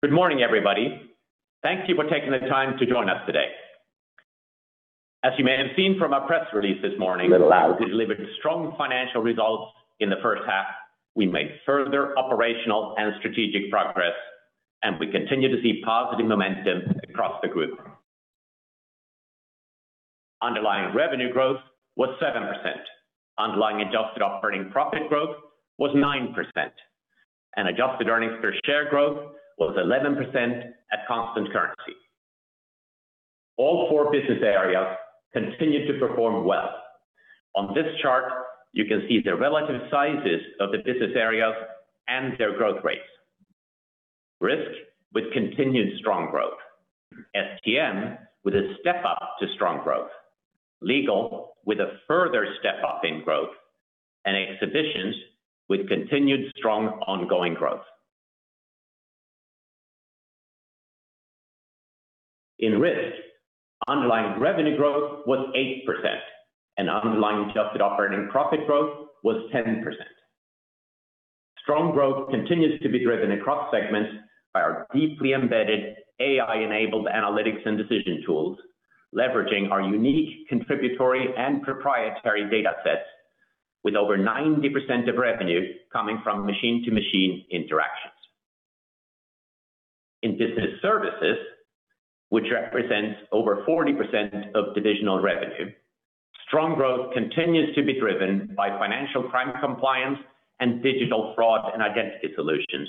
Good morning, everybody. Thank you for taking the time to join us today. As you may have seen from our press release this morning, we delivered strong financial results in the first half. We made further operational and strategic progress, and we continue to see positive momentum across the group. Underlying revenue growth was 7%. Underlying adjusted operating profit growth was 9%, and adjusted earnings per share growth was 11% at constant currency. All four business areas continued to perform well. On this chart, you can see the relative sizes of the business areas and their growth rates. Risk with continued strong growth. STM with a step-up to strong growth, Legal with a further step-up in growth, and Exhibitions with continued strong ongoing growth. In Risk, underlying revenue growth was 8%, and underlying adjusted operating profit growth was 10%. Strong growth continues to be driven across segments by our deeply embedded AI-enabled analytics and decision tools, leveraging our unique contributory and proprietary data sets with over 90% of revenue coming from machine-to-machine interactions. In Business Services, which represents over 40% of divisional revenue, strong growth continues to be driven by financial crime compliance and digital fraud and identity solutions,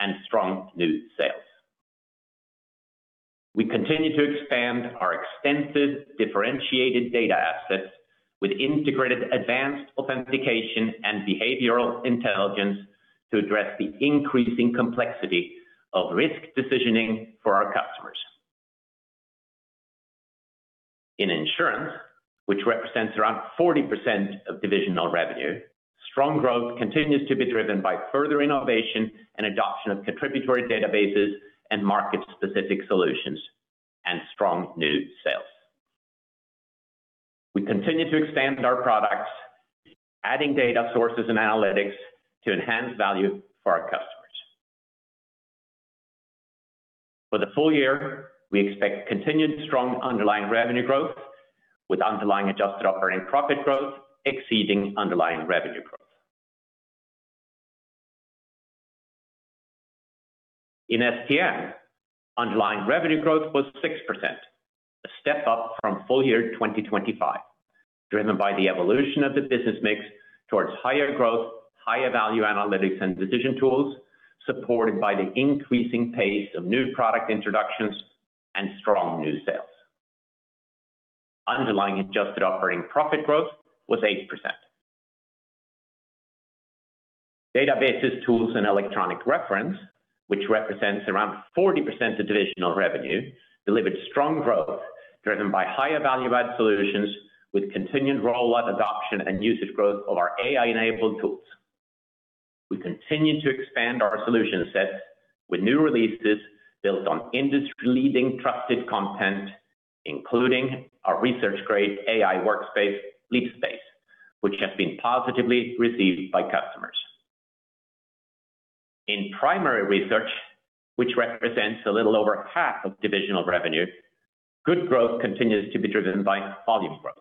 and strong new sales. We continue to expand our extensive differentiated data assets with integrated advanced authentication and behavioral intelligence to address the increasing complexity of risk decisioning for our customers. In Insurance, which represents around 40% of divisional revenue, strong growth continues to be driven by further innovation and adoption of contributory databases and market-specific solutions, and strong new sales. We continue to expand our products, adding data sources and analytics to enhance value for our customers. For the full year, we expect continued strong underlying revenue growth, with underlying adjusted operating profit growth exceeding underlying revenue growth. In STM, underlying revenue growth was 6%, a step up from full year 2025, driven by the evolution of the business mix towards higher growth, higher value analytics and decision tools, supported by the increasing pace of new product introductions and strong new sales. Underlying adjusted operating profit growth was 8%. Databases, tools, and electronic reference, which represents around 40% of divisional revenue, delivered strong growth driven by higher value-add solutions with continued rollout adoption and usage growth of our AI-enabled tools. We continue to expand our solution set with new releases built on industry-leading trusted content, including our research-grade AI workspace, LeapSpace, which has been positively received by customers. In primary research, which represents a little over half of divisional revenue, good growth continues to be driven by volume growth.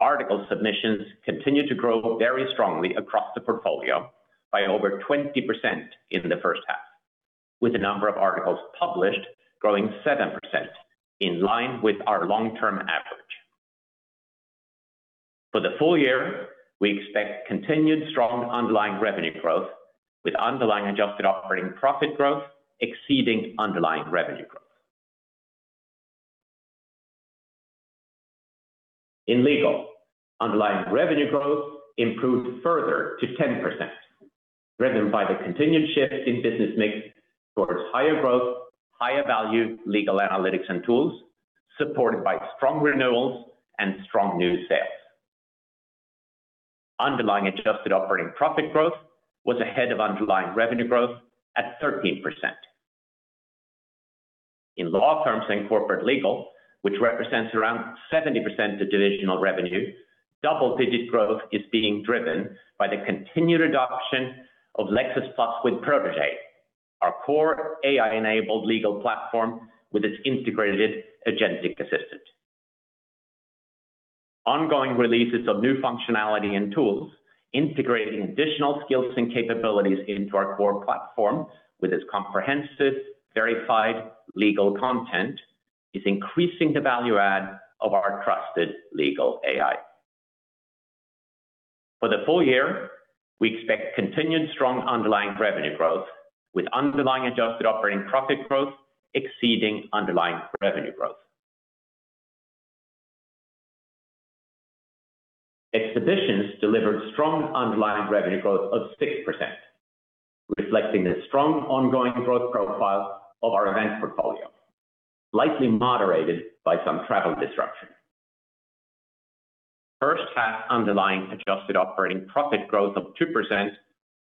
Article submissions continue to grow very strongly across the portfolio by over 20% in the first half, with the number of articles published growing 7%, in line with our long-term average. For the full year, we expect continued strong underlying revenue growth, with underlying adjusted operating profit growth exceeding underlying revenue growth. In Legal, underlying revenue growth improved further to 10%, driven by the continued shift in business mix towards higher growth, higher value legal analytics and tools supported by strong renewals and strong new sales. Underlying adjusted operating profit growth was ahead of underlying revenue growth at 13%. In law firms and corporate legal, which represents around 70% of divisional revenue, double-digit growth is being driven by the continued adoption of Lexis+ with Protégé, our core AI-enabled legal platform with its integrated agentic assistant. Ongoing releases of new functionality and tools integrating additional skills and capabilities into our core platform with its comprehensive, verified legal content is increasing the value add of our trusted legal AI. For the full year, we expect continued strong underlying revenue growth, with underlying adjusted operating profit growth exceeding underlying revenue growth. Exhibitions delivered strong underlying revenue growth of 6%, reflecting the strong ongoing growth profile of our event portfolio, slightly moderated by some travel disruption. First half underlying adjusted operating profit growth of 2%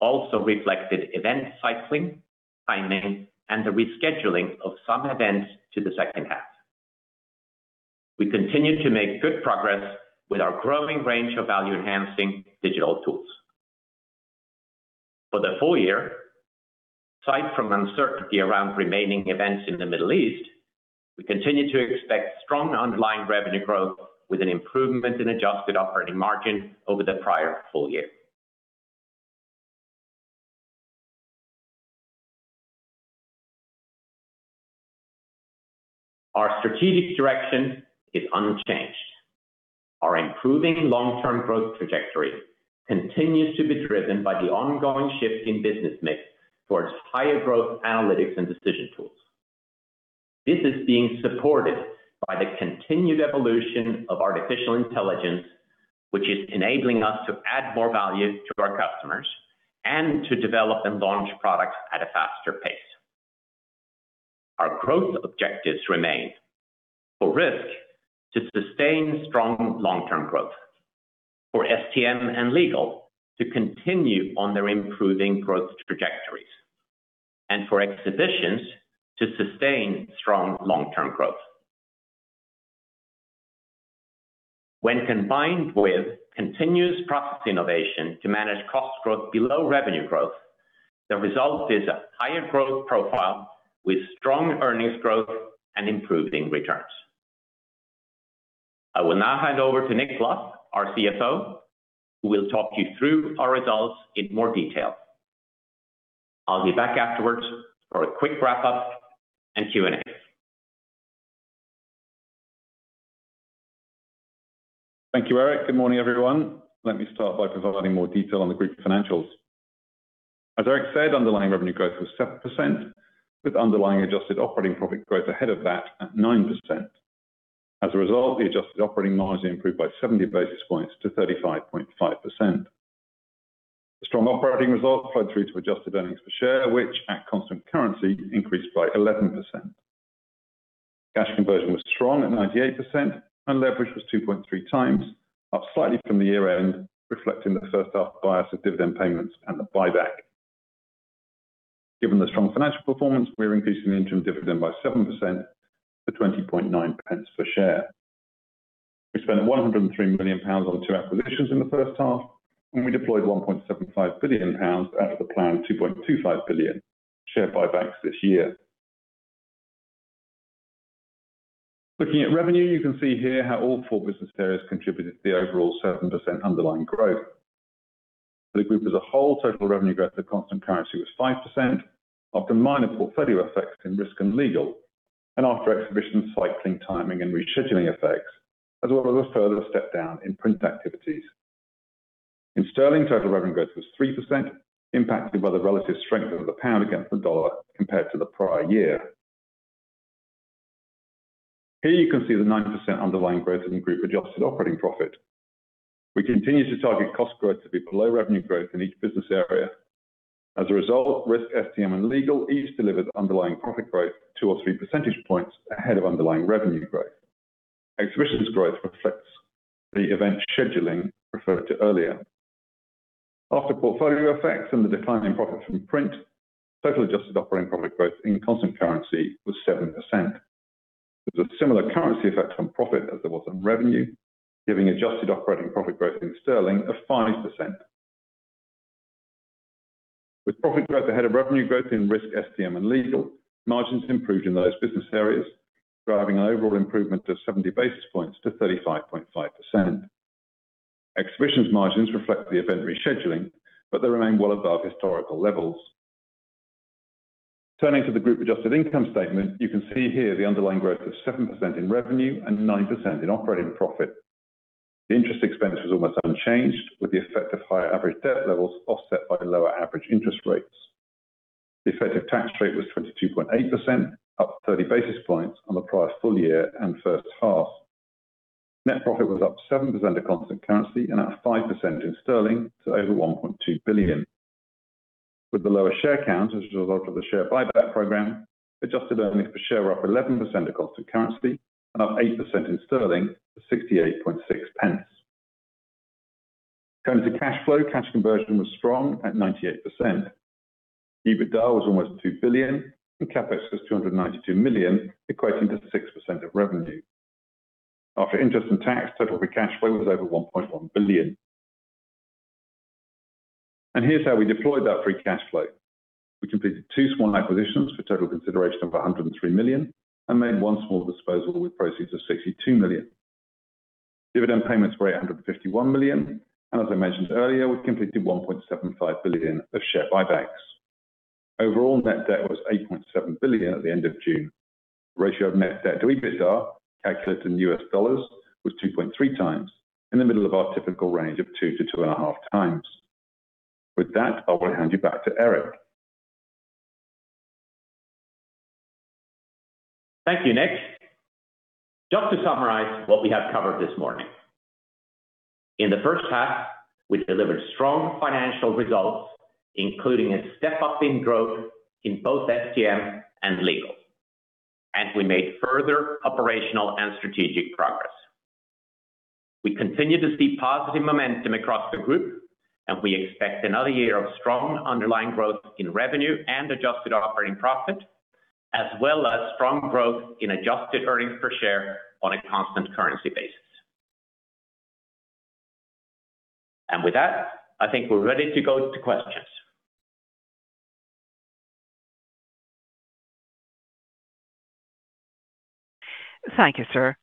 also reflected event cycling, timing, and the rescheduling of some events to the second half. We continue to make good progress with our growing range of value-enhancing digital tools. For the full year, aside from uncertainty around remaining events in the Middle East, we continue to expect strong underlying revenue growth with an improvement in adjusted operating margin over the prior full year. Our strategic direction is unchanged. Our improving long-term growth trajectory continues to be driven by the ongoing shift in business mix towards higher growth analytics and decision tools. This is being supported by the continued evolution of artificial intelligence, which is enabling us to add more value to our customers and to develop and launch products at a faster pace. Our growth objectives remain for Risk to sustain strong long-term growth, for STM and Legal to continue on their improving growth trajectories, and for Exhibitions to sustain strong long-term growth. When combined with continuous process innovation to manage cost growth below revenue growth, the result is a higher growth profile with strong earnings growth and improving returns. I will now hand over to Nick Luff, our CFO, who will talk you through our results in more detail. I'll be back afterwards for a quick wrap-up and Q&A. Thank you, Erik. Good morning, everyone. Let me start by providing more detail on the group financials. As Erik said, underlying revenue growth was 7%, with underlying adjusted operating profit growth ahead of that at 9%. As a result, the adjusted operating margin improved by 70 basis points to 35.5%. The strong operating results flowed through to adjusted earnings per share, which, at constant currency, increased by 11%. Cash conversion was strong at 98% and leverage was 2.3x, up slightly from the year-end, reflecting the first half bias of dividend payments and the buyback. Given the strong financial performance, we are increasing the interim dividend by 7% to 20.9 per share. We spent 103 million pounds on two acquisitions in the first half. We deployed 1.75 billion pounds out of the planned 2.25 billion share buybacks this year. Looking at revenue, you can see here how all four business areas contributed to the overall 7% underlying growth. For the group as a whole, total revenue growth at constant currency was 5%, after minor portfolio effects in Risk and Legal and after Exhibitions cycling timing and rescheduling effects, as well as a further step down in Print activities. In sterling, total revenue growth was 3%, impacted by the relative strength of the pound against the US dollar compared to the prior year. Here you can see the 9% underlying growth in group adjusted operating profit. We continue to target cost growth to be below revenue growth in each business area. As a result, Risk, STM, and Legal each delivered underlying profit growth two or three percentage points ahead of underlying revenue growth. Exhibitions growth reflects the event scheduling referred to earlier. After portfolio effects and the decline in profit from Print, total adjusted operating profit growth in constant currency was 7%. There was a similar currency effect on profit as there was on revenue, giving adjusted operating profit growth in sterling of 5%. With profit growth ahead of revenue growth in Risk, STM, and Legal, margins improved in those business areas, driving an overall improvement of 70 basis points to 35.5%. Exhibitions margins reflect the event rescheduling, but they remain well above historical levels. Turning to the group adjusted income statement, you can see here the underlying growth of 7% in revenue and 9% in operating profit. The interest expense was almost unchanged, with the effect of higher average debt levels offset by lower average interest rates. The effective tax rate was 22.8%, up 30 basis points on the prior full year and first half. Net profit was up 7% at constant currency and up 5% in sterling to over 1.2 billion. With the lower share count as a result of the share buyback program, adjusted earnings per share were up 11% at constant currency and up 8% in sterling to 68.6. In terms of cash flow, cash conversion was strong at 98%. EBITDA was almost 2 billion and CapEx was 292 million, equating to 6% of revenue. After interest and tax, total free cash flow was over 1.1 billion. Here's how we deployed that free cash flow. We completed two small acquisitions for total consideration of 103 million and made one small disposal with proceeds of 62 million. Dividend payments were 851 million, and as I mentioned earlier, we completed 1.75 billion of share buybacks. Overall net debt was 8.7 billion at the end of June. Ratio of net debt to EBITDA, calculated in US dollars, was 2.3x, in the middle of our typical range of 2x-2.5x. With that, I will hand you back to Erik. Thank you, Nick. Just to summarize what we have covered this morning. In the first half, we delivered strong financial results, including a step-up in growth in both STM and Legal, and we made further operational and strategic progress. We continue to see positive momentum across the group, and we expect another year of strong underlying growth in revenue and adjusted operating profit, as well as strong growth in adjusted earnings per share on a constant currency basis. With that, I think we're ready to go to questions. Thank you, sir.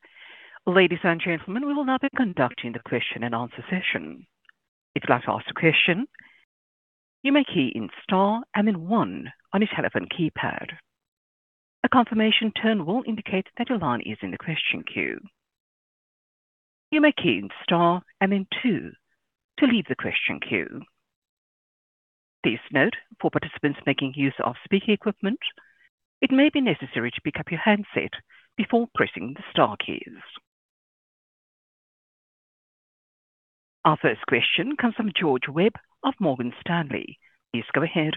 Ladies and gentlemen, we will now be conducting the question and answer session. If you'd like to ask a question, you may key in star and then one on your telephone keypad. A confirmation tone will indicate that your line is in the question queue. You may key in star and then two to leave the question queue. Please note, for participants making use of speaker equipment, it may be necessary to pick up your handset before pressing the star keys. Our first question comes from George Webb of Morgan Stanley. Please go ahead.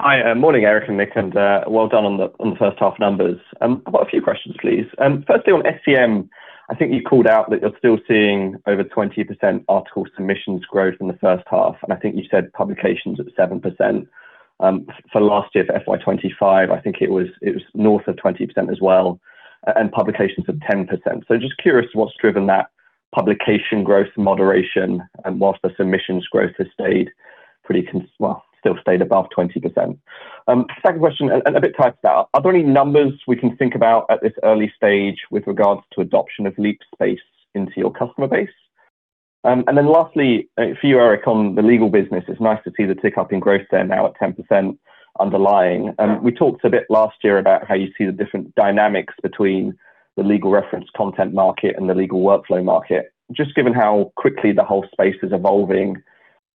Hi, morning, Erik and Nick, and well done on the first half numbers. I've got a few questions, please. Firstly, on STM, I think you called out that you're still seeing over 20% article submissions growth in the first half, and I think you said publications at 7%. For last year, for FY 2025, I think it was north of 20% as well, and publications of 10%. Just curious what's driven that publication growth moderation whilst the submissions growth has still stayed above 20%. Second question, and a bit tied to that, are there any numbers we can think about at this early stage with regards to adoption of LeapSpace into your customer base? Then lastly, for you, Erik, on the Legal business, it's nice to see the tick up in growth there now at 10% underlying. We talked a bit last year about how you see the different dynamics between the legal reference content market and the legal workflow market. Just given how quickly the whole space is evolving,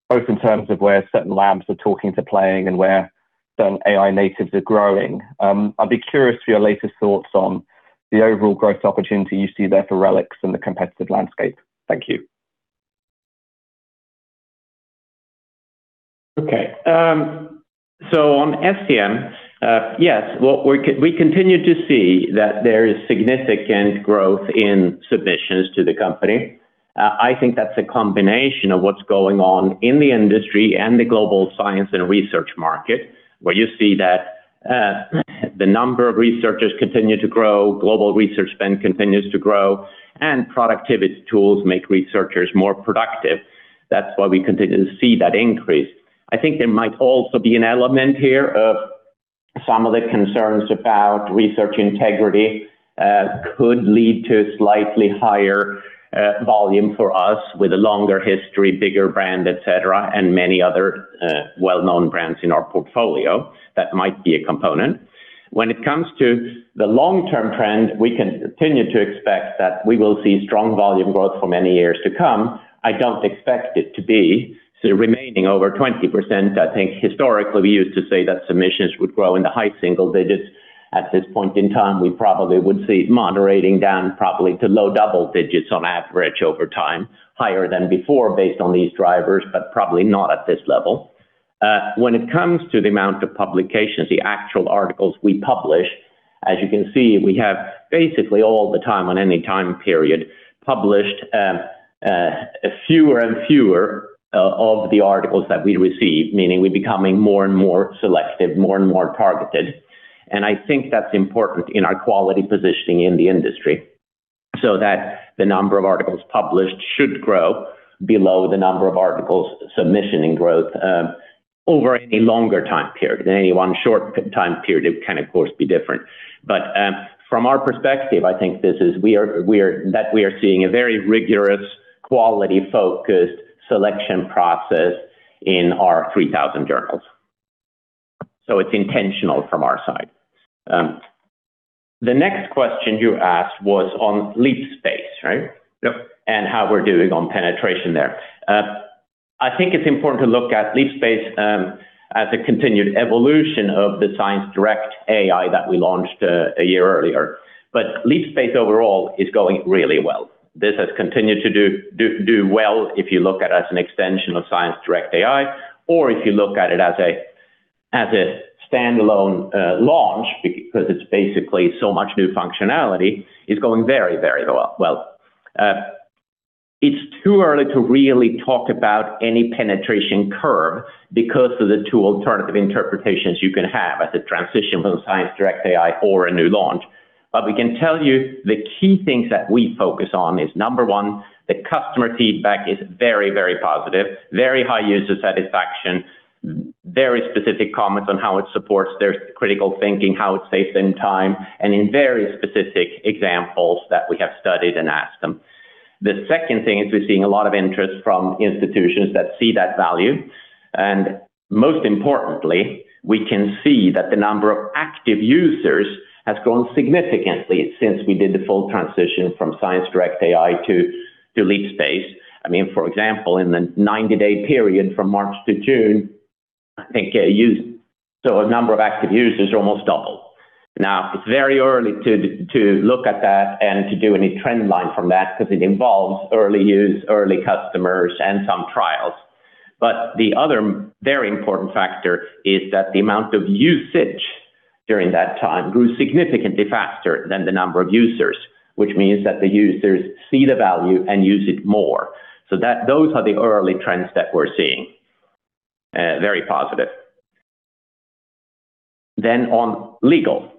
both in terms of where certain LLMs are talking to playing and where certain AI natives are growing, I'd be curious for your latest thoughts on the overall growth opportunity you see there for RELX and the competitive landscape. Thank you. Okay. On STM, yes, we continue to see that there is significant growth in submissions to the company. I think that's a combination of what's going on in the industry and the global science and research market, where you see that the number of researchers continue to grow, global research spend continues to grow, and productivity tools make researchers more productive. That's why we continue to see that increase. I think there might also be an element here of some of the concerns about research integrity could lead to slightly higher volume for us with a longer history, bigger brand, et cetera, and many other well-known brands in our portfolio. That might be a component. When it comes to the long-term trend, we can continue to expect that we will see strong volume growth for many years to come. I don't expect it to be remaining over 20%. I think historically, we used to say that submissions would grow in the high single digits. At this point in time, we probably would see it moderating down probably to low double digits on average over time, higher than before based on these drivers, but probably not at this level. When it comes to the amount of publications, the actual articles we publish, as you can see, we have basically all the time on any time period, published fewer and fewer of the articles that we receive, meaning we're becoming more and more selective, more and more targeted. I think that's important in our quality positioning in the industry, so that the number of articles published should grow below the number of articles submission in growth over any longer time period. Any one short time period can, of course, be different. From our perspective, I think that we are seeing a very rigorous quality-focused selection process in our 3,000 journals. It's intentional from our side. The next question you asked was on LeapSpace, right? Yep. How we're doing on penetration there. I think it's important to look at LeapSpace as a continued evolution of the ScienceDirect AI that we launched a year earlier. LeapSpace overall is going really well. This has continued to do well if you look at it as an extension of ScienceDirect AI, or if you look at it as a standalone launch, because it's basically so much new functionality, it's going very, very well. It's too early to really talk about any penetration curve because of the two alternative interpretations you can have as a transition from ScienceDirect AI or a new launch. We can tell you the key things that we focus on is, number one, the customer feedback is very, very positive, very high user satisfaction, very specific comments on how it supports their critical thinking, how it saves them time, and in very specific examples that we have studied and asked them. The second thing is we're seeing a lot of interest from institutions that see that value. Most importantly, we can see that the number of active users has grown significantly since we did the full transition from ScienceDirect AI to LeapSpace. For example, in the 90-day period from March to June, I think the number of active users almost doubled. It's very early to look at that and to do any trend line from that because it involves early use, early customers, and some trials. The other very important factor is that the amount of usage during that time grew significantly faster than the number of users, which means that the users see the value and use it more. Those are the early trends that we're seeing. Very positive. On Legal,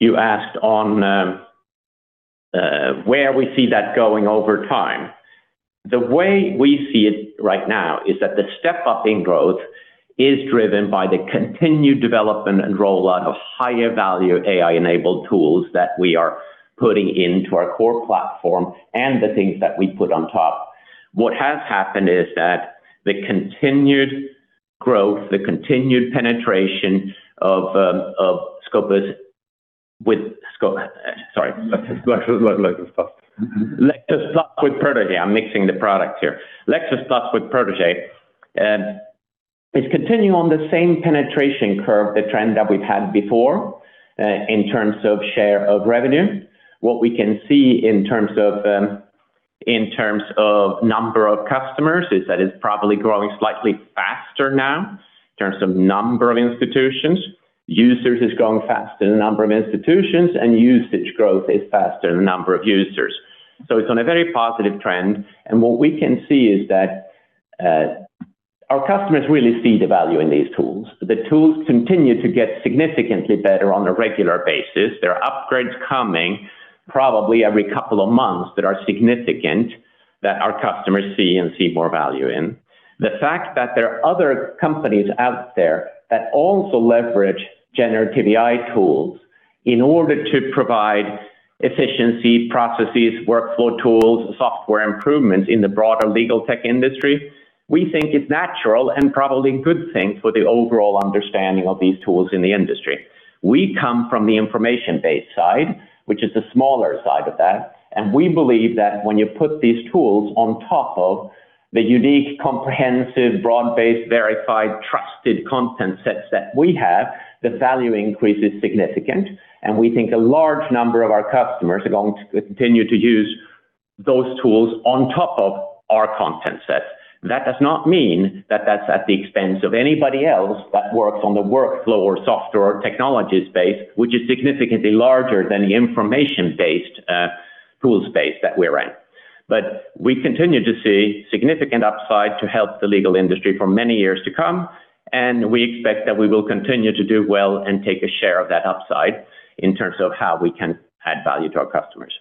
you asked on where we see that going over time. The way we see it right now is that the step-up in growth is driven by the continued development and rollout of higher value AI-enabled tools that we are putting into our core platform and the things that we put on top. What has happened is that the continued growth, the continued penetration of Lexis+ with Protégé. I'm mixing the products here. Lexis+ with Protégé is continuing on the same penetration curve, the trend that we've had before in terms of share of revenue. What we can see in terms of number of customers is that it's probably growing slightly faster now in terms of number of institutions. Users is growing faster than number of institutions, and usage growth is faster than number of users. It's on a very positive trend, and what we can see is that our customers really see the value in these tools. The tools continue to get significantly better on a regular basis. There are upgrades coming probably every couple of months that are significant that our customers see and see more value in. The fact that there are other companies out there that also leverage generative AI tools in order to provide efficiency, processes, workflow tools, software improvements in the broader legal tech industry, we think it's natural and probably a good thing for the overall understanding of these tools in the industry. We come from the information-based side, which is the smaller side of that, and we believe that when you put these tools on top of the unique, comprehensive, broad-based, verified, trusted content sets that we have, the value increase is significant, and we think a large number of our customers are going to continue to use those tools on top of our content sets. That does not mean that that's at the expense of anybody else that works on the workflow or software technology space, which is significantly larger than the information-based tool space that we're in. We continue to see significant upside to help the legal industry for many years to come, and we expect that we will continue to do well and take a share of that upside in terms of how we can add value to our customers.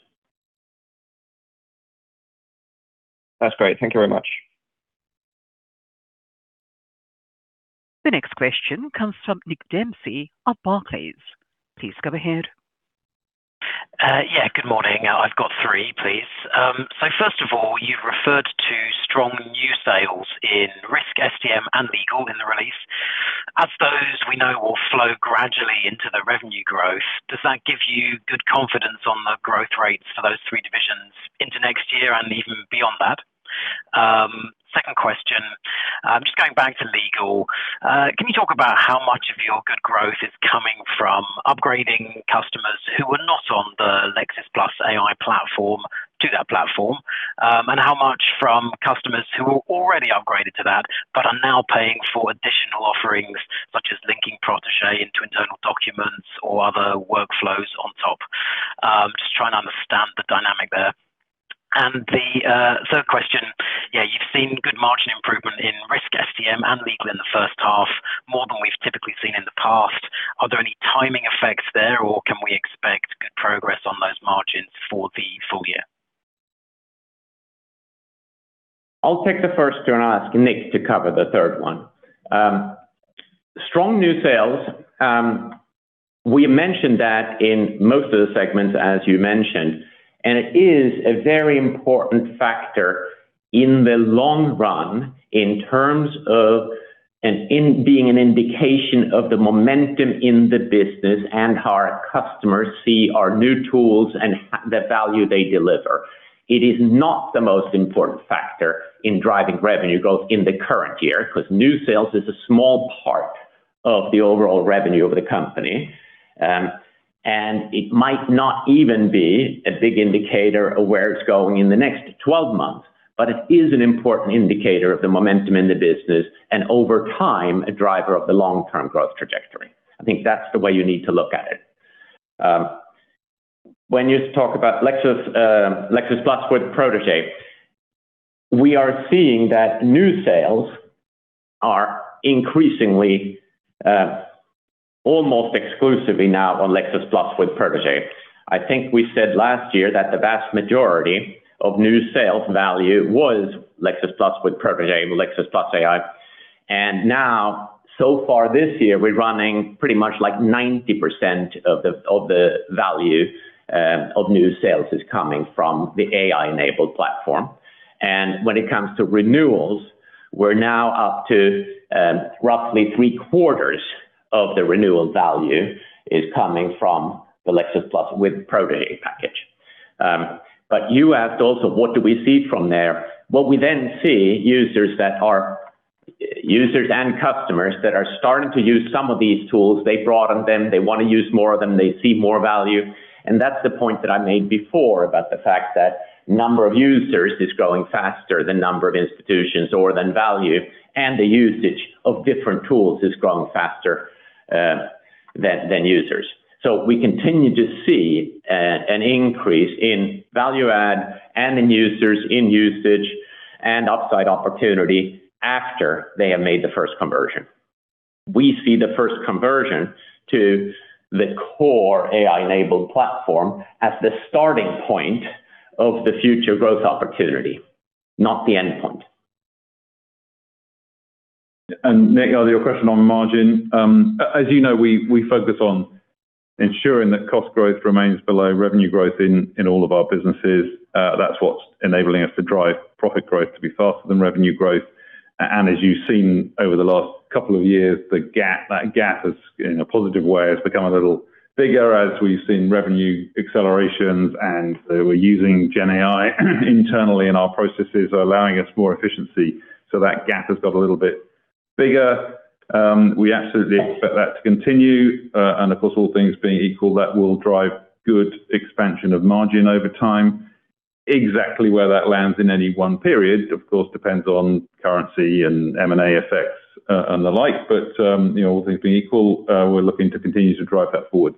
That's great. Thank you very much. The next question comes from Nick Dempsey of Barclays. Please go ahead. Yeah, good morning. I've got three, please. First of all, you've referred to strong new sales in Risk, STM, and Legal in the release. As those we know will flow gradually into the revenue growth, does that give you good confidence on the growth rates for those three divisions into next year and even beyond that? Second question, just going back to Legal, can you talk about how much of your good growth is coming from upgrading customers who were not on the Lexis+ AI platform to that platform, and how much from customers who already upgraded to that but are now paying for additional offerings, such as linking Protégé into internal documents or other workflows on top? Just trying to understand the dynamic there. The third question, you've seen good margin improvement in Risk, STM, and Legal in the first half, more than we've typically seen in the past. Are there any timing effects there, or can we expect good progress on those margins for the full year? I'll take the first two and ask Nick to cover the third one. Strong new sales, we mentioned that in most of the segments, as you mentioned, it is a very important factor in the long run in terms of being an indication of the momentum in the business and how our customers see our new tools and the value they deliver. It is not the most important factor in driving revenue growth in the current year because new sales is a small part of the overall revenue of the company. It might not even be a big indicator of where it's going in the next 12 months, but it is an important indicator of the momentum in the business and over time, a driver of the long-term growth trajectory. I think that's the way you need to look at it. When you talk about Lexis+ with Protégé, we are seeing that new sales are increasingly almost exclusively now on Lexis+ with Protégé. I think we said last year that the vast majority of new sales value was Lexis+ with Protégé, Lexis+ AI, and now so far this year, we're running pretty much like 90% of the value of new sales is coming from the AI-enabled platform. When it comes to renewals, we're now up to roughly three-quarters of the renewal value is coming from the Lexis+ with Protégé package. You asked also, what do we see from there? What we then see, users and customers that are starting to use some of these tools, they brought on them, they want to use more of them, they see more value. That's the point that I made before about the fact that number of users is growing faster than number of institutions or than value, the usage of different tools is growing faster than users. We continue to see an increase in value add and in users, in usage and upside opportunity after they have made the first conversion. We see the first conversion to the core AI-enabled platform as the starting point of the future growth opportunity, not the endpoint. Nick, on your question on margin. As you know, we focus on ensuring that cost growth remains below revenue growth in all of our businesses. That's what's enabling us to drive profit growth to be faster than revenue growth. As you've seen over the last couple of years, that gap has, in a positive way, has become a little bigger as we've seen revenue accelerations and we're using GenAI internally in our processes, allowing us more efficiency. That gap has got a little bit bigger. We absolutely expect that to continue. Of course, all things being equal, that will drive good expansion of margin over time. Exactly where that lands in any one period, of course, depends on currency and M&A effects and the like. All things being equal, we're looking to continue to drive that forward.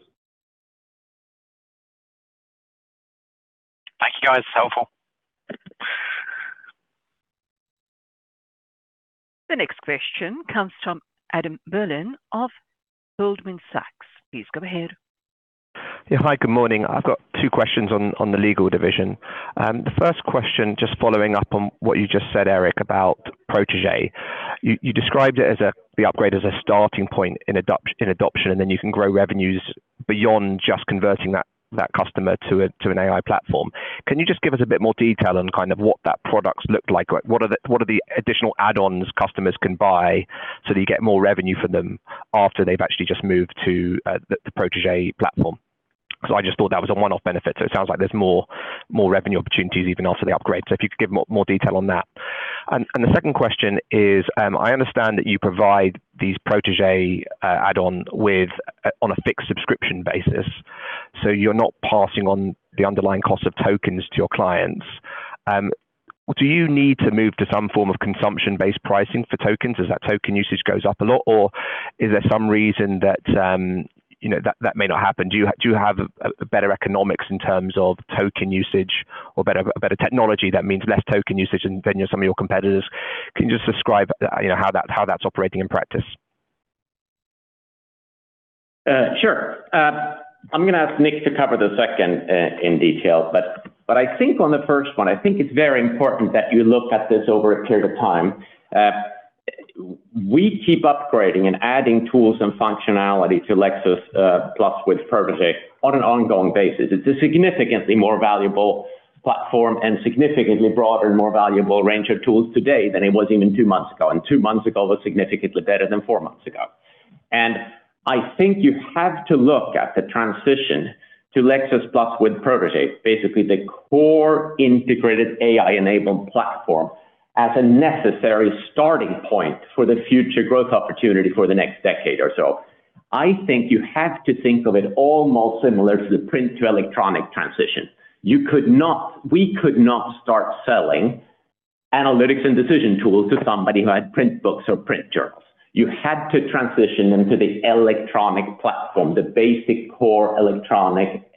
Thank you, guys. That's helpful. The next question comes from Adam Berlin of Goldman Sachs. Please go ahead. Hi, good morning. I've got two questions on the legal division. The first question, just following up on what you just said, Erik, about Protégé. You described the upgrade as a starting point in adoption, then you can grow revenues beyond just converting that customer to an AI platform. Can you just give us a bit more detail on kind of what that product looked like? What are the additional add-ons customers can buy so that you get more revenue from them after they've actually just moved to the Protégé platform? I just thought that was a one-off benefit. It sounds like there's more revenue opportunities even after the upgrade. If you could give more detail on that. The second question is, I understand that you provide these Protégé add-on on a fixed subscription basis, so you're not passing on the underlying cost of tokens to your clients. Do you need to move to some form of consumption-based pricing for tokens as that token usage goes up a lot? Is there some reason that may not happen? Do you have better economics in terms of token usage or better technology that means less token usage than some of your competitors? Can you just describe how that's operating in practice? Sure. I'm going to ask Nick to cover the second in detail, but I think on the first one, I think it's very important that you look at this over a period of time. We keep upgrading and adding tools and functionality to Lexis+ with Protégé on an ongoing basis. It's a significantly more valuable platform and significantly broader and more valuable range of tools today than it was even two months ago, and two months ago was significantly better than four months ago. I think you have to look at the transition to Lexis+ with Protégé, basically the core integrated AI-enabled platform, as a necessary starting point for the future growth opportunity for the next decade or so. I think you have to think of it almost similar to the print-to-electronic transition. We could not start selling analytics and decision tools to somebody who had print books or print journals. You had to transition them to the electronic platform, the basic core electronic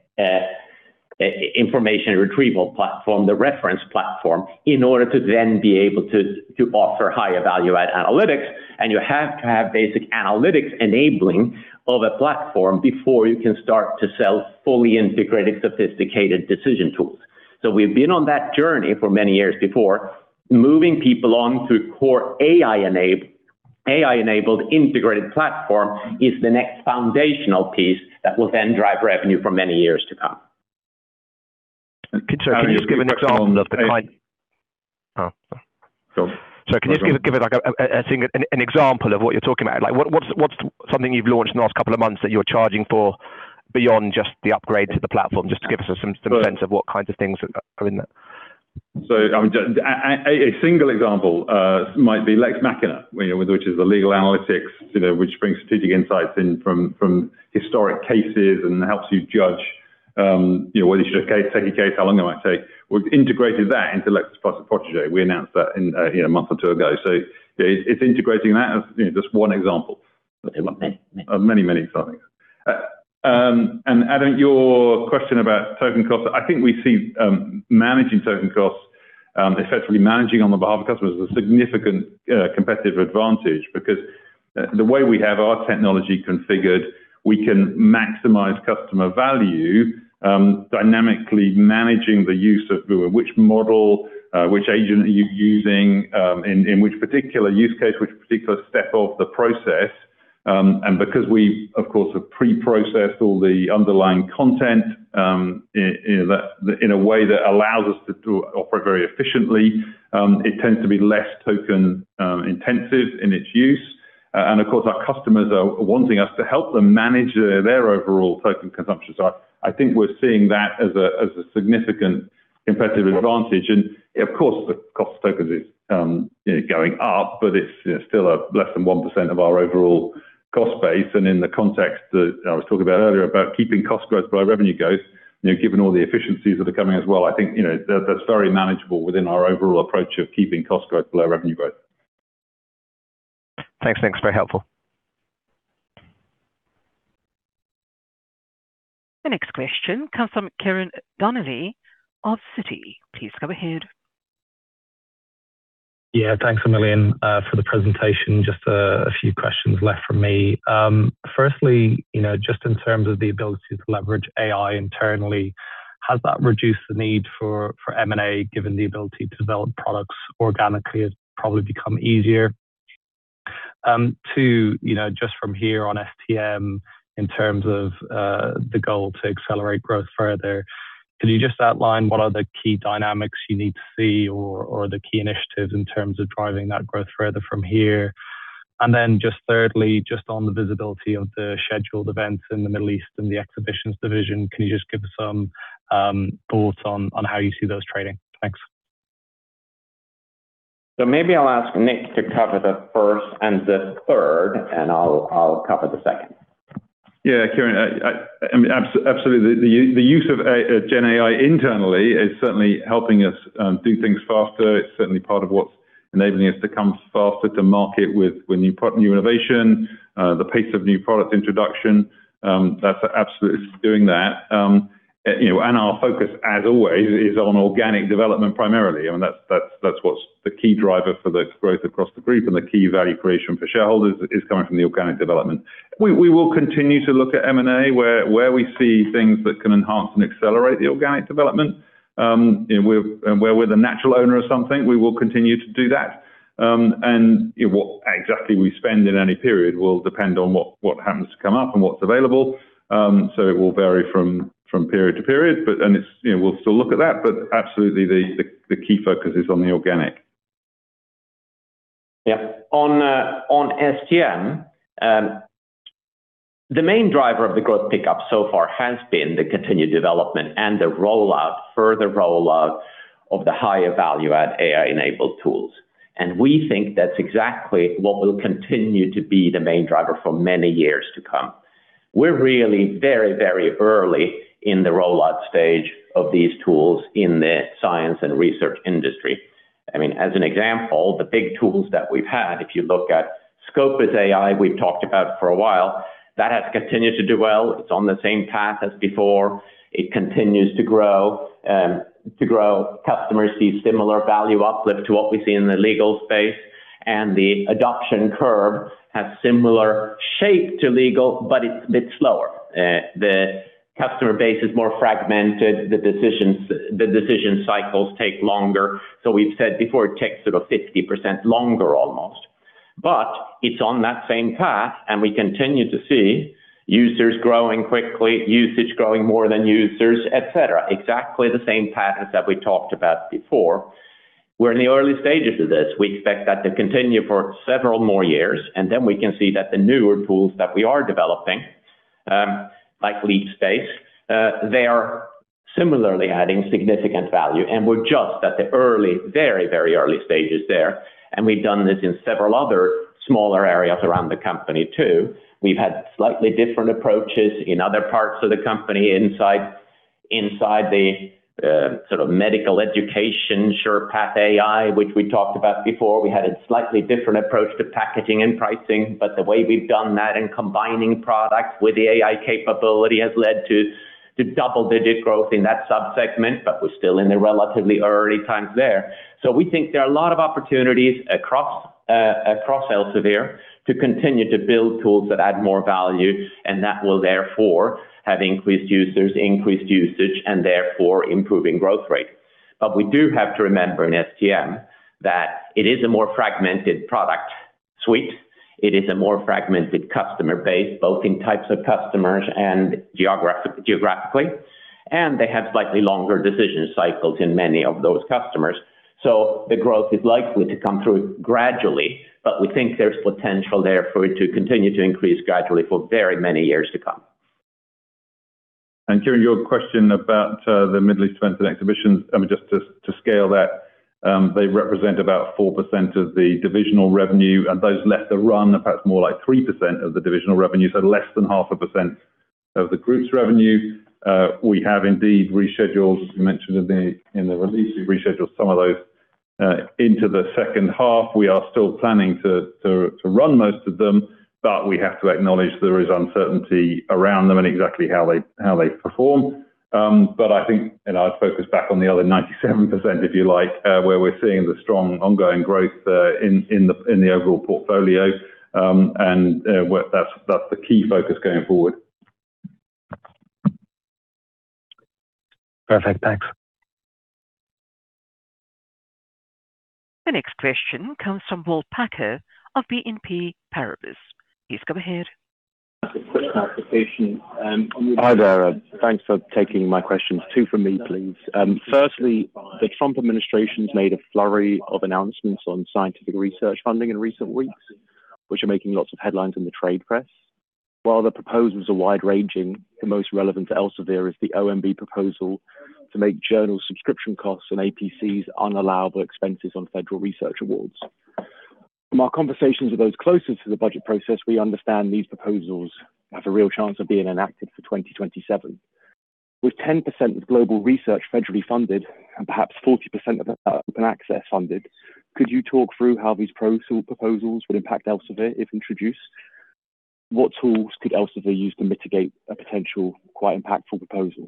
information retrieval platform, the reference platform, in order to then be able to offer higher value-add analytics. You have to have basic analytics enabling of a platform before you can start to sell fully integrated, sophisticated decision tools. We've been on that journey for many years before. Moving people on to core AI-enabled integrated platform is the next foundational piece that will then drive revenue for many years to come. Can you just give an example of Oh, sorry. Go on. Sorry. Can you just give an example of what you're talking about? What's something you've launched in the last couple of months that you're charging for beyond just the upgrade to the platform? Just to give us some sense of what kinds of things are in there. A single example might be Lex Machina, which is the legal analytics which brings strategic insights in from historic cases and helps you judge whether you should take a case, how long it might take. We've integrated that into Lexis+ Protégé. We announced that a month or two ago. It's integrating that as just one example. Okay. Of many exciting things. Adam, your question about token cost, I think we see managing token costs, effectively managing on the behalf of customers is a significant competitive advantage because the way we have our technology configured, we can maximize customer value, dynamically managing the use of which model, which agent are you using, in which particular use case, which particular step of the process. Because we, of course, have pre-processed all the underlying content in a way that allows us to operate very efficiently, it tends to be less token intensive in its use. Of course, our customers are wanting us to help them manage their overall token consumption. I think we're seeing that as a significant competitive advantage. Of course, the cost of tokens is going up, but it's still less than 1% of our overall cost base. In the context that I was talking about earlier, about keeping cost growth below revenue growth, given all the efficiencies that are coming as well, I think that's very manageable within our overall approach of keeping cost growth below revenue growth. Thanks, Nick. It's very helpful. The next question comes from Ciarán Donnelly of Citi. Please go ahead. Thanks a million for the presentation. Just a few questions left from me. Firstly, just in terms of the ability to leverage AI internally, has that reduced the need for M&A, given the ability to develop products organically has probably become easier? Two, just from here on STM in terms of the goal to accelerate growth further, can you just outline what are the key dynamics you need to see or the key initiatives in terms of driving that growth further from here? Thirdly, just on the visibility of the scheduled events in the Middle East and the exhibitions division, can you just give some thoughts on how you see those trading? Thanks. Maybe I'll ask Nick to cover the first and the third, and I'll cover the second. Ciarán, absolutely. The use of GenAI internally is certainly helping us do things faster. It's certainly part of what's enabling us to come faster to market with new innovation, the pace of new product introduction, that's absolutely doing that. Our focus, as always, is on organic development primarily. That's what's the key driver for the growth across the group and the key value creation for shareholders is coming from the organic development. We will continue to look at M&A where we see things that can enhance and accelerate the organic development, and where we're the natural owner of something, we will continue to do that. What exactly we spend in any period will depend on what happens to come up and what's available. It will vary from period to period, but we'll still look at that, but absolutely the key focus is on the organic. On STM, the main driver of the growth pickup so far has been the continued development and the further rollout of the higher value-add AI-enabled tools. We think that's exactly what will continue to be the main driver for many years to come. We're really very early in the rollout stage of these tools in the science and research industry. As an example, the big tools that we've had, if you look at Scopus AI, we've talked about for a while, that has continued to do well. It's on the same path as before. It continues to grow. Customers see similar value uplift to what we see in the legal space, and the adoption curve has similar shape to legal, but it's a bit slower. The customer base is more fragmented. The decision cycles take longer. We've said before, it takes sort of 50% longer almost. It's on that same path. We continue to see users growing quickly, usage growing more than users, et cetera. Exactly the same patterns that we talked about before. We're in the early stages of this. We expect that to continue for several more years. Then we can see that the newer tools that we are developing, like LeapSpace, they are similarly adding significant value. We're just at the very early stages there. We've done this in several other smaller areas around the company too. We've had slightly different approaches in other parts of the company inside the sort of medical education, Sherpath AI, which we talked about before. We had a slightly different approach to packaging and pricing. The way we've done that in combining products with the AI capability has led to double-digit growth in that sub-segment. We're still in the relatively early times there. We think there are a lot of opportunities across Elsevier to continue to build tools that add more value. That will therefore have increased users, increased usage, and therefore improving growth rate. We do have to remember in STM that it is a more fragmented product suite. It is a more fragmented customer base, both in types of customers and geographically. They have slightly longer decision cycles in many of those customers. The growth is likely to come through gradually. We think there's potential there for it to continue to increase gradually for very many years to come. Ciarán, your question about the Middle East events and exhibitions, just to scale that, they represent about 4% of the divisional revenue. Those left to run are perhaps more like 3% of the divisional revenue, so less than 0.5% of the group's revenue. We have indeed rescheduled, as we mentioned in the release. We've rescheduled some of those into the second half. We are still planning to run most of them. We have to acknowledge there is uncertainty around them and exactly how they perform. I think, and I'd focus back on the other 97%, if you like, where we're seeing the strong ongoing growth in the overall portfolio. That's the key focus going forward. Perfect. Thanks. The next question comes from Will Packer of BNP Paribas. Please go ahead. Hi there. Thanks for taking my questions. Two from me, please. Firstly, the Trump administration's made a flurry of announcements on scientific research funding in recent weeks, which are making lots of headlines in the trade press. While the proposals are wide-ranging, the most relevant to Elsevier is the OMB proposal to make journal subscription costs and APCs unallowable expenses on federal research awards. From our conversations with those closest to the budget process, we understand these proposals have a real chance of being enacted for 2027. With 10% of global research federally funded and perhaps 40% of open access funded, could you talk through how these proposals would impact Elsevier if introduced? What tools could Elsevier use to mitigate a potential, quite impactful proposal?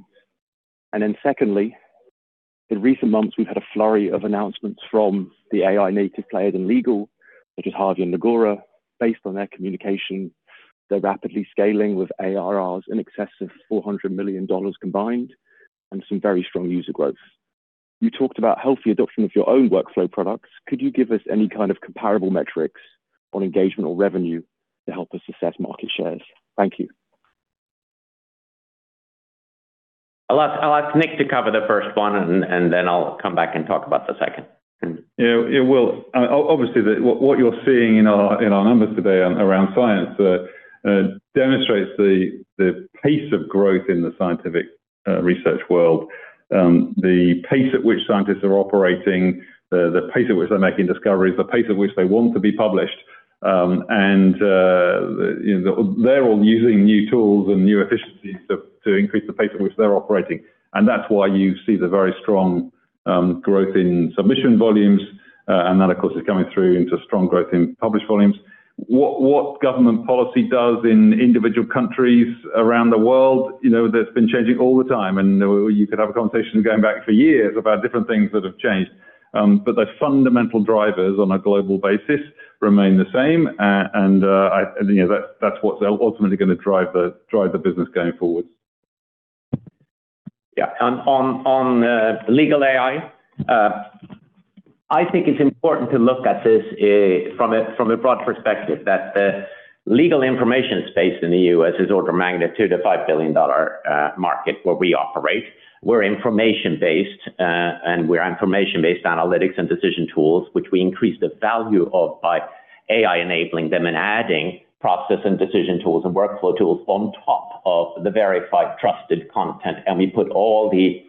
Secondly, in recent months, we've had a flurry of announcements from the AI native players in legal, such as Harvey and Legora. Based on their communication, they're rapidly scaling with ARRs in excess of GBP 400 million combined and some very strong user growth. You talked about healthy adoption of your own workflow products. Could you give us any kind of comparable metrics on engagement or revenue to help us assess market shares? Thank you. I'll ask Nick to cover the first one, and then I'll come back and talk about the second. Yeah, well, obviously, what you're seeing in our numbers today around science demonstrates the pace of growth in the scientific research world, the pace at which scientists are operating, the pace at which they're making discoveries, the pace at which they want to be published. They're all using new tools and new efficiencies to increase the pace at which they're operating. That's why you see the very strong growth in submission volumes. That, of course, is coming through into strong growth in published volumes. What government policy does in individual countries around the world, that's been changing all the time, and you could have a conversation going back for years about different things that have changed. The fundamental drivers on a global basis remain the same, and that's what's ultimately going to drive the business going forward. Yeah. On legal AI, I think it's important to look at this from a broad perspective that the legal information space in the U.S. is order of magnitude to $5 billion market where we operate. We're information-based, and we're information-based analytics and decision tools, which we increase the value of by AI enabling them and adding process and decision tools and workflow tools on top of the verified, trusted content. We put all the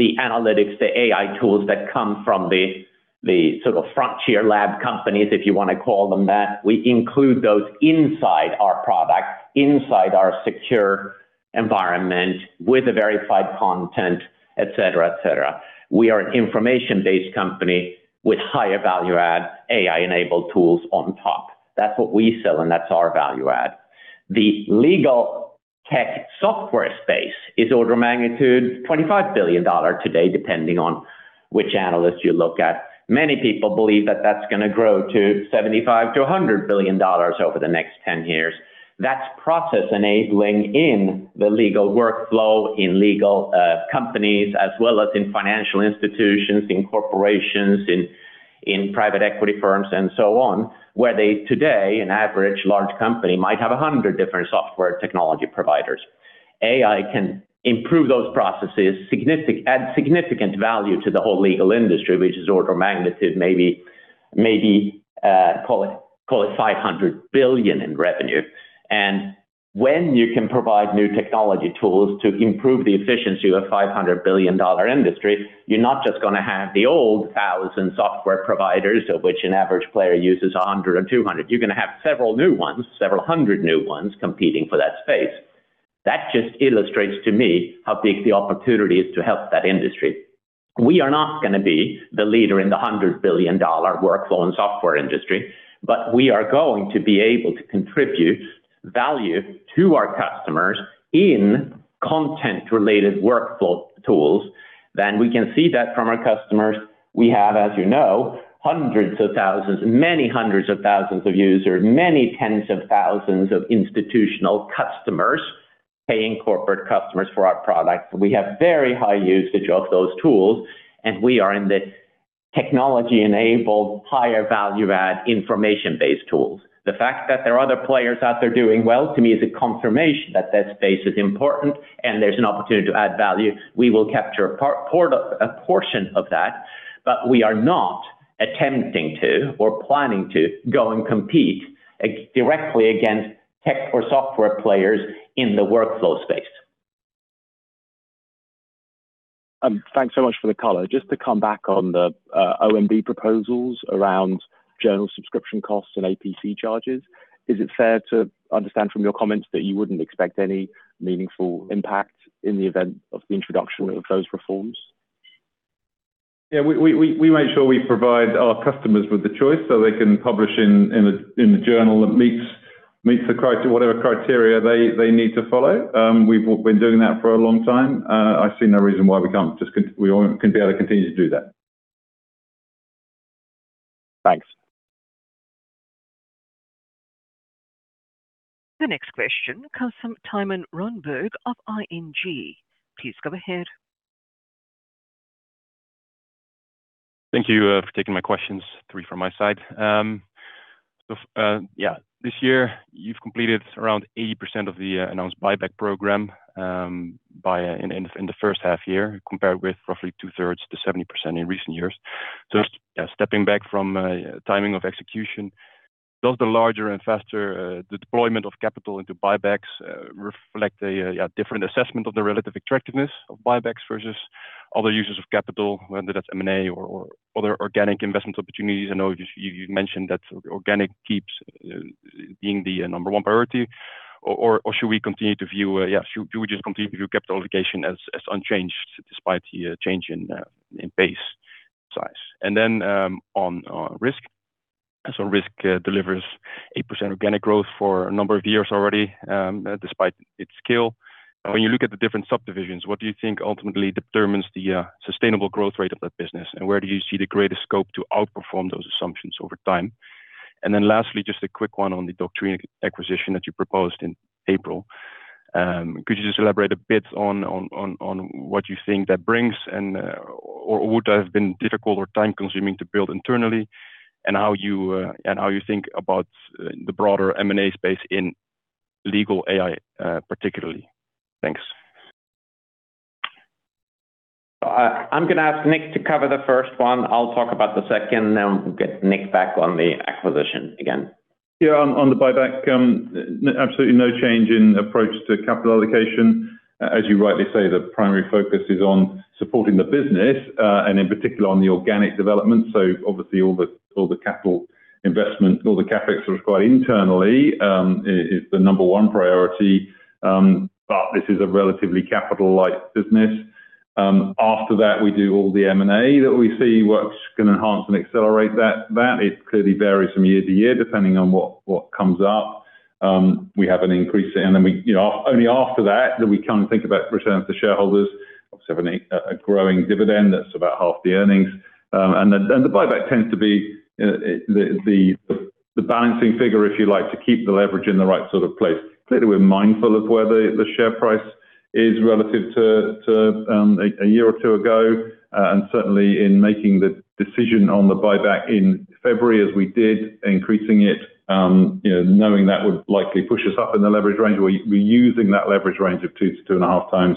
analytics, the AI tools that come from the sort of frontier lab companies, if you want to call them that, we include those inside our product, inside our secure environment with a verified content, et cetera. We are an information-based company with higher value add AI-enabled tools on top. That's what we sell, and that's our value add. The legal tech software space is order of magnitude $25 billion today, depending on which analyst you look at. Many people believe that that's going to grow to $75 billion to $100 billion over the next 10 years. That's process enabling in the legal workflow in legal companies as well as in financial institutions, in corporations, in private equity firms and so on, where they today, an average large company might have 100 different software technology providers. AI can improve those processes, add significant value to the whole legal industry, which is order of magnitude, maybe call it $500 billion in revenue. When you can provide new technology tools to improve the efficiency of a $500 billion industry, you're not just going to have the old 1,000 software providers, of which an average player uses 100 or 200. You're going to have several new ones, several hundred new ones competing for that space. That just illustrates to me how big the opportunity is to help that industry. We are not going to be the leader in the $100 billion workflow and software industry, but we are going to be able to contribute value to our customers in content-related workflow tools. We can see that from our customers. We have, as you know, hundreds of thousands, many hundreds of thousands of users, many tens of thousands of institutional customers, paying corporate customers for our products. We have very high usage of those tools, and we are in the technology-enabled, higher value add information-based tools. The fact that there are other players out there doing well, to me, is a confirmation that that space is important and there's an opportunity to add value. We will capture a portion of that, we are not attempting to or planning to go and compete directly against tech or software players in the workflow space. Thanks so much for the color. Just to come back on the OMB proposals around journal subscription costs and APC charges, is it fair to understand from your comments that you wouldn't expect any meaningful impact in the event of the introduction of those reforms? Yeah. We make sure we provide our customers with the choice so they can publish in the journal that meets the whatever criteria they need to follow. We've been doing that for a long time. I see no reason why we can't be able to continue to do that. Thanks. The next question comes from Thymen Rundberg of ING. Please go ahead. Thank you for taking my questions, three from my side. This year, you've completed around 80% of the announced buyback program in the first half year compared with roughly two-thirds to 70% in recent years. Stepping back from timing of execution, does the larger and faster deployment of capital into buybacks reflect a different assessment of the relative attractiveness of buybacks versus other users of capital, whether that's M&A or other organic investment opportunities? I know you mentioned that organic keeps being the number one priority. Should we just continue to view capital allocation as unchanged despite the change in pace size? On Risk. Risk delivers 8% organic growth for a number of years already, despite its scale. When you look at the different subdivisions, what do you think ultimately determines the sustainable growth rate of that business? Where do you see the greatest scope to outperform those assumptions over time? Lastly, just a quick one on the Doctrine acquisition that you proposed in April. Could you just elaborate a bit on what you think that brings or would have been difficult or time-consuming to build internally and how you think about the broader M&A space in legal AI, particularly. Thanks. I'm going to ask Nick to cover the first one. I'll talk about the second, we'll get Nick back on the acquisition again. On the buyback, absolutely no change in approach to capital allocation. As you rightly say, the primary focus is on supporting the business, in particular on the organic development. Obviously all the capital investments, all the CapEx required internally is the number one priority. This is a relatively capital light business. After that, we do all the M&A that we see, what's going to enhance and accelerate that. It clearly varies from year to year, depending on what comes up. We have an increase, only after that do we think about returns to shareholders. Obviously have a growing dividend that's about half the earnings. The buyback tends to be the balancing figure, if you like, to keep the leverage in the right sort of place. Clearly, we're mindful of where the share price is relative to a year or two ago, and certainly in making the decision on the buyback in February as we did, increasing it, knowing that would likely push us up in the leverage range. We're using that leverage range of two to two and a half times,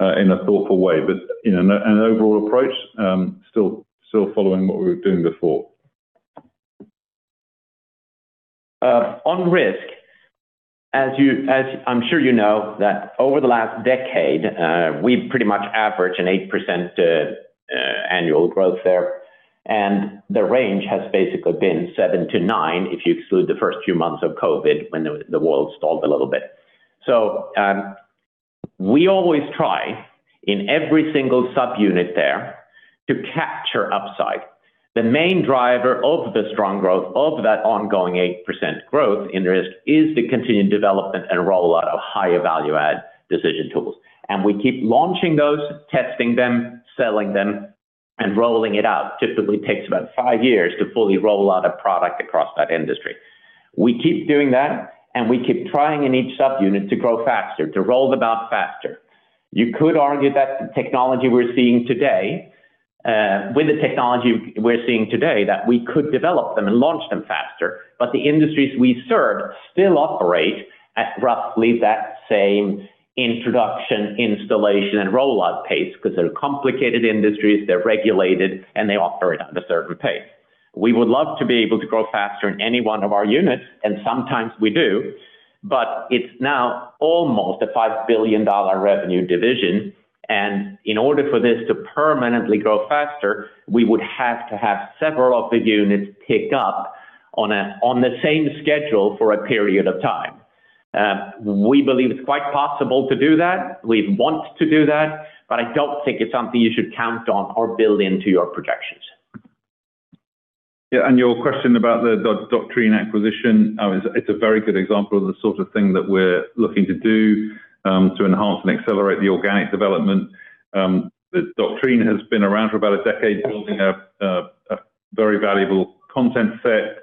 in a thoughtful way. An overall approach, still following what we were doing before. On Risk, as I'm sure you know that over the last decade, we pretty much average an 8% annual growth there, and the range has basically been seven to nine if you exclude the first few months of COVID when the world stalled a little bit. We always try in every single subunit there to capture upside. The main driver of the strong growth of that ongoing 8% growth in Risk is the continued development and rollout of higher value add decision tools. We keep launching those, testing them, selling them, and rolling it out. Typically takes about five years to fully roll out a product across that industry. We keep doing that, we keep trying in each subunit to grow faster, to roll them out faster. You could argue that with the technology we're seeing today, that we could develop them and launch them faster, but the industries we serve still operate at roughly that same introduction, installation, and rollout pace because they're complicated industries, they're regulated, and they operate on a certain pace. We would love to be able to grow faster in any one of our units, and sometimes we do, but it's now almost a GBP 5 billion revenue division. In order for this to permanently grow faster, we would have to have several of the units pick up on the same schedule for a period of time. We believe it's quite possible to do that. We want to do that, but I don't think it's something you should count on or build into your projections. Yeah. Your question about the Doctrine acquisition, it's a very good example of the sort of thing that we're looking to do to enhance and accelerate the organic development. Doctrine has been around for about a decade building a very valuable content set.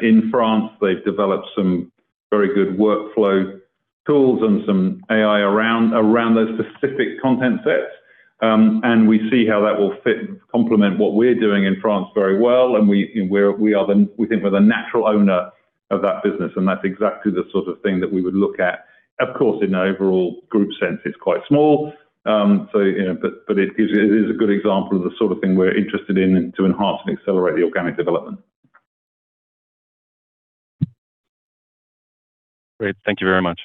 In France, they've developed some very good workflow tools and some AI around those specific content sets. We see how that will fit and complement what we're doing in France very well, and we think we're the natural owner of that business, and that's exactly the sort of thing that we would look at. Of course, in an overall group sense, it's quite small. It is a good example of the sort of thing we're interested in to enhance and accelerate the organic development. Great. Thank you very much.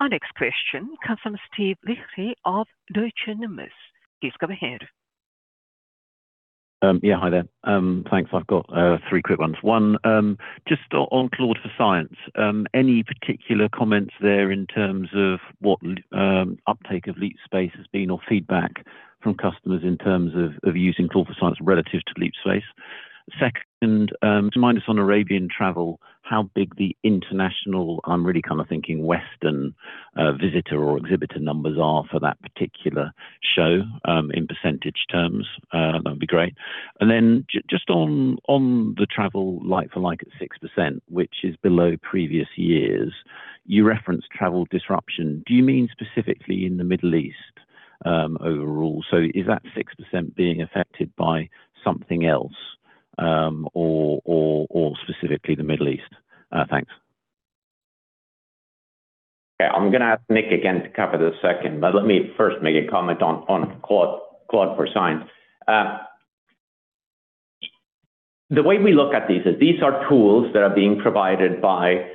Our next question comes from Steve Liechti of Deutsche Numis. Please go ahead. Yeah. Hi there. Thanks. I've got three quick ones. One, just on Claude for Science. Any particular comments there in terms of what uptake of LeapSpace has been or feedback from customers in terms of using Claude for Science relative to LeapSpace? Then just remind us on Arabian Travel, how big the international, I'm really kind of thinking Western, visitor or exhibitor numbers are for that particular show, in percentage terms. That'd be great. Just on the travel like for like at 6%, which is below previous years, you referenced travel disruption. Do you mean specifically in the Middle East overall? Is that 6% being affected by something else, or specifically the Middle East? Thanks. Okay, I'm going to ask Nick again to cover the second, but let me first make a comment on Claude for Science. The way we look at these is these are tools that are being provided by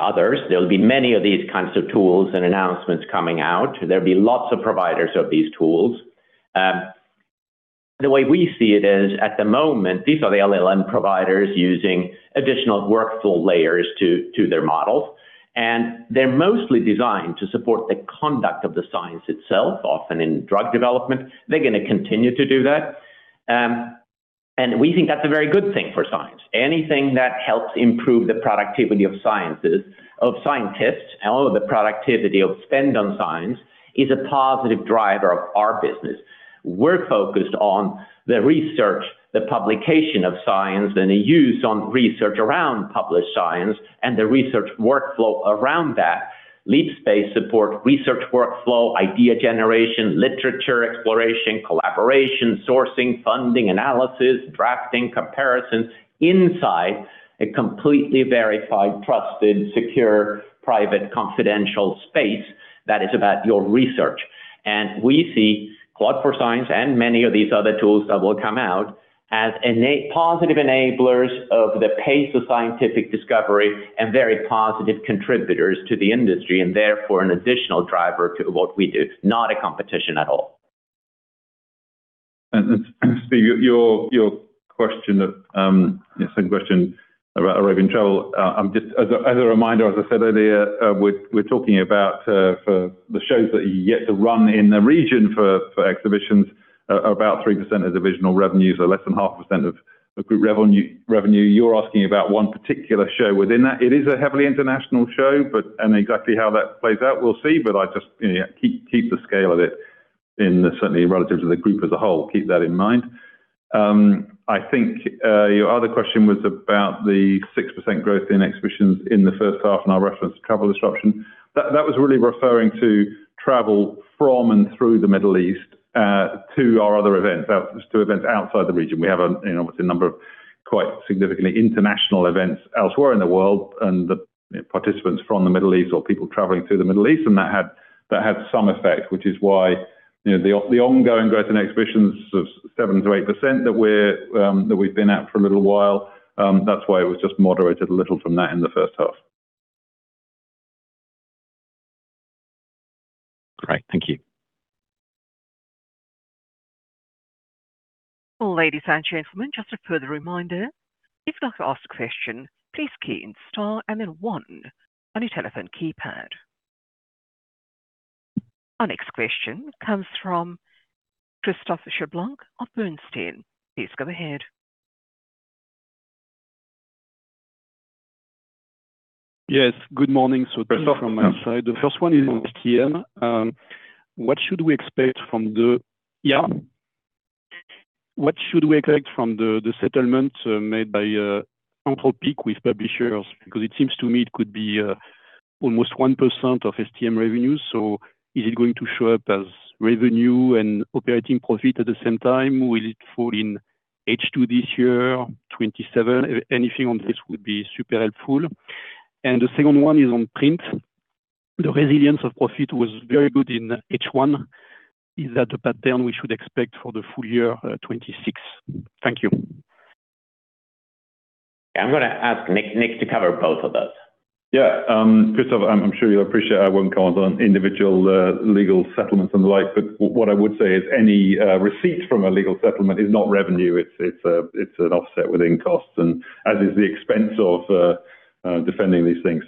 others. There'll be many of these kinds of tools and announcements coming out. There'll be lots of providers of these tools. The way we see it is, at the moment, these are the LLM providers using additional workflow layers to their models, and they're mostly designed to support the conduct of the science itself, often in drug development. They're going to continue to do that. We think that's a very good thing for science. Anything that helps improve the productivity of scientists, hell, the productivity of spend on science is a positive driver of our business. We're focused on the research, the publication of science, and the use on research around published science and the research workflow around that. LeapSpace supports research workflow, idea generation, literature exploration, collaboration, sourcing, funding analysis, drafting, comparisons inside a completely verified, trusted, secure, private, confidential space that is about your research. We see Claude Science and many of these other tools that will come out as positive enablers of the pace of scientific discovery and very positive contributors to the industry, and therefore an additional driver to what we do, not a competition at all. To your question about Arabian Travel, as a reminder, as I said earlier, we're talking about for the shows that are yet to run in the region for exhibitions are about 3% of divisional revenues or less than 0.5% of the group revenue. You're asking about one particular show within that. It is a heavily international show, and exactly how that plays out, we'll see, but just keep the scale of it in certainly relative to the group as a whole. Keep that in mind. I think your other question was about the 6% growth in exhibitions in the first half, and I referenced travel disruption. That was really referring to travel from and through the Middle East to our other events, to events outside the region. We have, obviously, a number of quite significantly international events elsewhere in the world, and the participants from the Middle East or people traveling through the Middle East, and that had some effect, which is why the ongoing growth in exhibitions of 7%-8% that we've been at for a little while, that's why it was just moderated a little from that in the first half. Great. Thank you. Ladies and gentlemen, just a further reminder. If you'd like to ask a question, please key in star and then one on your telephone keypad. Our next question comes from Christophe Cherblanc of Bernstein. Please go ahead. Yes, good morning. Two from my side. The first one is STM. What should we expect from the settlement made by Anthropic with publishers? Because it seems to me it could be almost 1% of STM revenue. Is it going to show up as revenue and operating profit at the same time? Will it fall in H2 this year, 2027? Anything on this would be super helpful. The second one is on print. The resilience of profit was very good in H1. Is that a pattern we should expect for the full year 2026? Thank you. I'm going to ask Nick to cover both of those. Yeah. Christophe, I'm sure you'll appreciate I won't comment on individual legal settlements and the like, what I would say is any receipts from a legal settlement is not revenue. It's an offset within costs, and as is the expense of defending these things.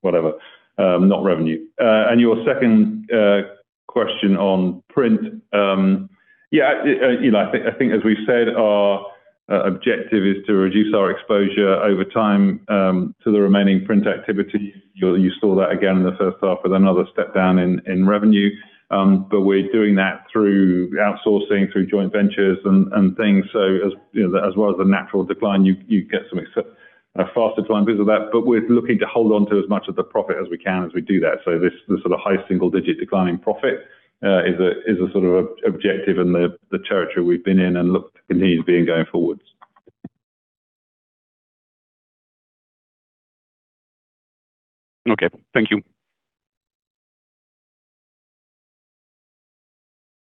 Whatever, not revenue. Your second question on print. Yeah, I think as we've said, our objective is to reduce our exposure over time to the remaining print activity. You saw that again in the first half with another step down in revenue, we're doing that through outsourcing, through joint ventures and things. As well as the natural decline, you get some faster decline because of that. We're looking to hold onto as much of the profit as we can as we do that. This sort of high single-digit declining profit is a sort of objective and the territory we've been in and look to continue to be in going forward. Okay. Thank you.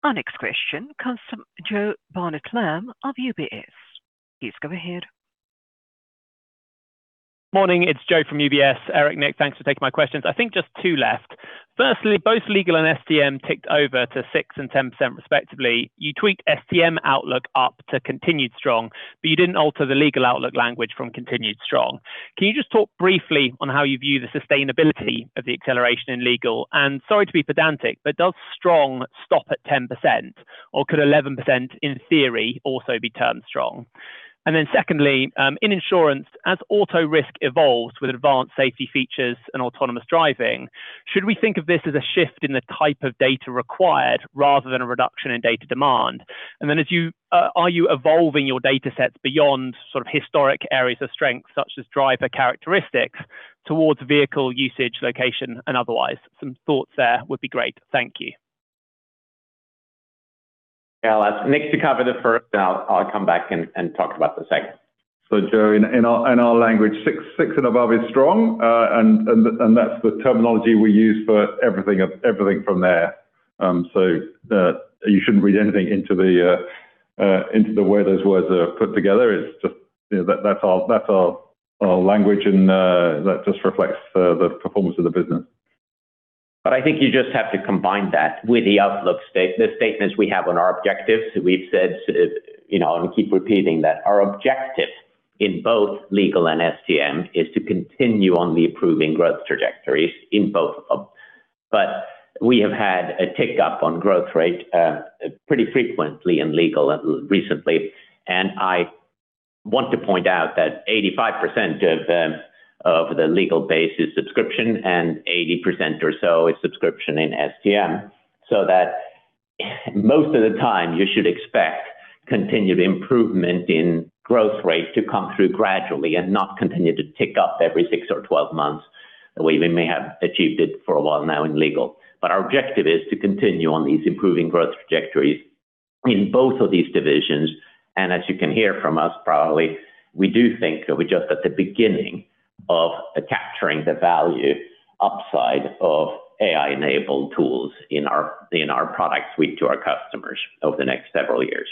Our next question comes from Joe Barnet-Lamb of UBS. Please go ahead. Morning. It's Joe from UBS. Erik, Nick, thanks for taking my questions. I think just two left. Firstly, both legal and STM ticked over to 6% and 10% respectively. You tweaked STM outlook up to continued strong, but you didn't alter the legal outlook language from continued strong. Can you just talk briefly on how you view the sustainability of the acceleration in legal? Sorry to be pedantic, but does strong stop at 10%, or could 11% in theory also be termed strong? Secondly, in insurance, as auto risk evolves with advanced safety features and autonomous driving, should we think of this as a shift in the type of data required rather than a reduction in data demand? Are you evolving your data sets beyond sort of historic areas of strength, such as driver characteristics towards vehicle usage, location, and otherwise? Some thoughts there would be great. Thank you. Yeah, I'll ask Nick to cover the first, and I'll come back and talk about the second. Joe, in our language, six and above is strong, and that's the terminology we use for everything from there. You shouldn't read anything into the way those words are put together. It's just that's our language, and that just reflects the performance of the business. I think you just have to combine that with the outlook statements we have on our objectives. We've said, and we keep repeating that our objective in both Legal and STM is to continue on the improving growth trajectories in both of them. We have had a tick up on growth rate pretty frequently in Legal recently. I want to point out that 85% of the Legal base is subscription and 80% or so is subscription in STM, so that most of the time you should expect continued improvement in growth rate to come through gradually and not continue to tick up every six or 12 months the way we may have achieved it for a while now in Legal. Our objective is to continue on these improving growth trajectories in both of these divisions. As you can hear from us, probably, we do think that we're just at the beginning of capturing the value upside of AI-enabled tools in our product suite to our customers over the next several years.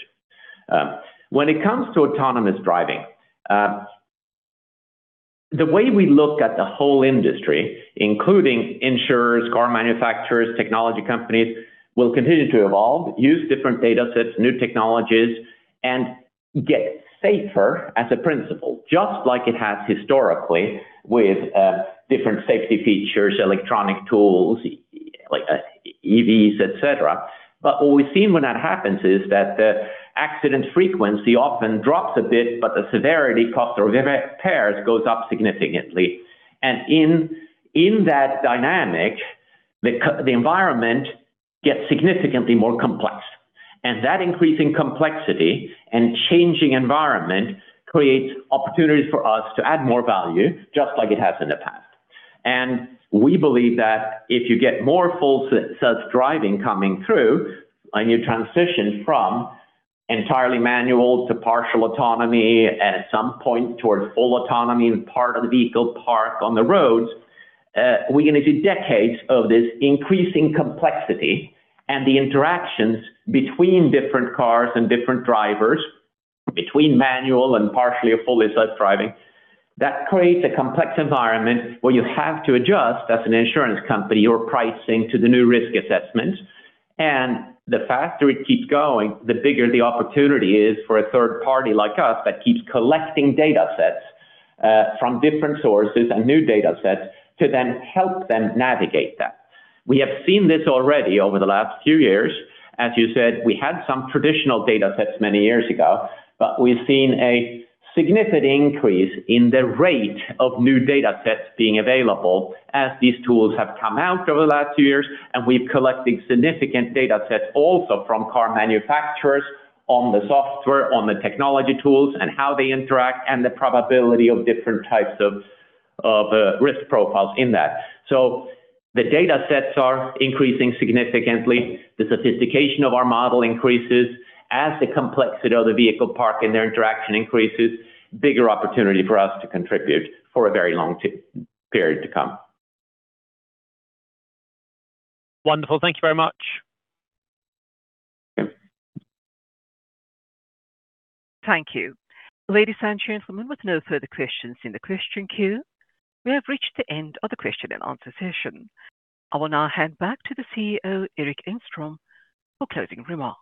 When it comes to autonomous driving, the way we look at the whole industry, including insurers, car manufacturers, technology companies, will continue to evolve, use different data sets, new technologies, and get safer as a principle, just like it has historically with different safety features, electronic tools, like EVs, et cetera. What we've seen when that happens is that the accident frequency often drops a bit, but the severity cost or repairs goes up significantly. In that dynamic, the environment gets significantly more complex, and that increasing complexity and changing environment creates opportunities for us to add more value just like it has in the past. We believe that if you get more full self-driving coming through and you transition from entirely manual to partial autonomy at some point towards full autonomy with part of the vehicle parked on the roads, we're going to do decades of this increasing complexity and the interactions between different cars and different drivers, between manual and partially or fully self-driving. That creates a complex environment where you have to adjust, as an insurance company, your pricing to the new risk assessment. The faster it keeps going, the bigger the opportunity is for a third party like us that keeps collecting data sets from different sources and new data sets to then help them navigate that. We have seen this already over the last few years. As you said, we had some traditional data sets many years ago, but we've seen a significant increase in the rate of new data sets being available as these tools have come out over the last few years. We've collected significant data sets also from car manufacturers on the software, on the technology tools, and how they interact, and the probability of different types of risk profiles in that. The data sets are increasing significantly. The sophistication of our model increases as the complexity of the vehicle park and their interaction increases. Bigger opportunity for us to contribute for a very long period to come. Wonderful. Thank you very much. Thank you. Ladies and gentlemen, with no further questions in the question queue, we have reached the end of the question and answer session. I will now hand back to the CEO, Erik Engstrom, for closing remarks.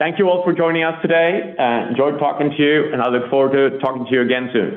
Thank you all for joining us today. Enjoyed talking to you, and I look forward to talking to you again soon.